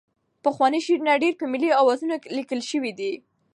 پخواني شعرونه ډېری په ملي اوزانو لیکل شوي دي.